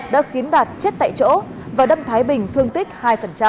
đã khiến đạt chất tại chỗ và đâm thái bình thương tích hai